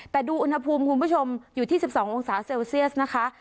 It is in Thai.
แต่ดูอุณหภูมิคุณผู้ชมอยู่ที่๑๒องศาเซลเซียสนะคะ